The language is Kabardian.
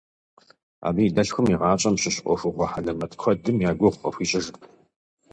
Абы и дэлъхум и гъащӏэм щыщ ӏуэхугъуэ хьэлэмэт куэдым я гугъу къыхуищӏыжырт.